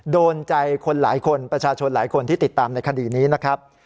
โดนใจคนหลายคนประชาชนหลายคนที่ติดตามในคดีนี้นะครับ